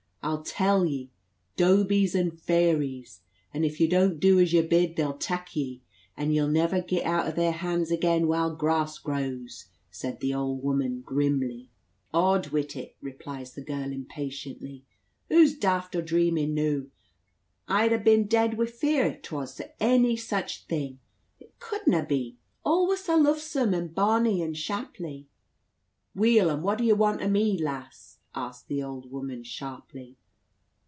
I'll tell ye. Dobies and fairies; and if ye don't du as yer bid, they'll tak ye, and ye'll never git out o' their hands again while grass grows," said the old woman grimly. "Od wite it!" replies the girl impatiently, "who's daft or dreamin' noo? I'd a bin dead wi' fear, if 'twas any such thing. It cudna be; all was sa luvesome, and bonny, and shaply." "Weel, and what do ye want o' me, lass?" asked the old woman sharply.